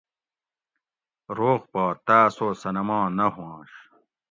روغ پا تاۤس او صنماں نہ ھواںش